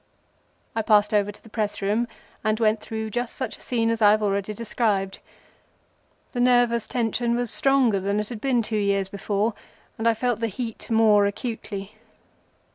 I passed over to the press room, and went through just such a scene as I have already described. The nervous tension was stronger than it had been two years before, and I felt the heat more acutely.